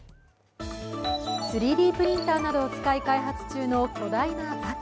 ３Ｄプリンターなどを使い開発中の巨大なザク。